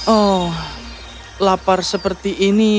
oh lapar seperti ini